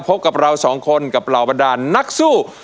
พบกับเราสองคนกับเราบันนาคซู่